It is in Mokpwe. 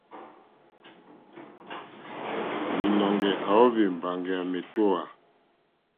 Lìnɔ̀ŋɡɛ̀ à óhwì mbàŋɡɛ̀ à mèótówà.